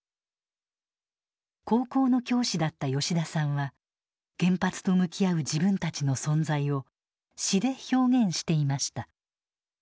高校の教師だった吉田さんは原発と向き合う自分たちの存在を詩で表現していました。